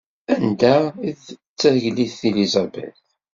Anda ay d Tagellidt Elizabeth?